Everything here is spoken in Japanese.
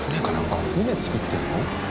あっ船造ってるの？